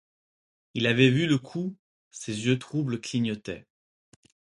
Il avait vu le coup, ses yeux troubles clignotaient.